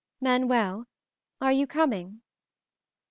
"Manuel, are you coming?"